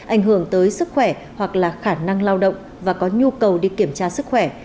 ảnh hưởng tới sức khỏe hoặc là khả năng lao động và có nhu cầu đi kiểm tra sức khỏe